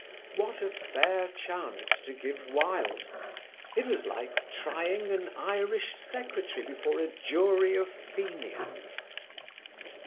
What a fair chance to give Wilde! It was like trying an Irish Secretary before a jury of Fenians.